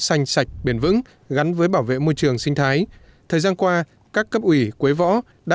xanh sạch bền vững gắn với bảo vệ môi trường sinh thái thời gian qua các cấp ủy quế võ đã